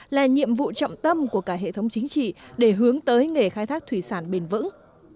là nhiệm vụ trọng tâm của cả hệ thống chính trị để hướng tới nghề khai thác thủy sản bền vững